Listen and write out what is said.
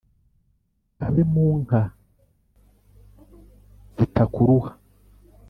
kabe mu nka zitakuruha